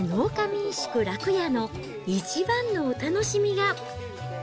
民宿楽屋の一番のお楽しみが。